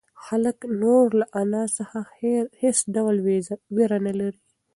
هلک نور له انا څخه هېڅ ډول وېره نهلري.